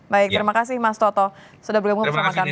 baik terima kasih mas toto sudah bergabung bersama kami